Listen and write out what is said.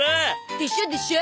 でしょでしょ？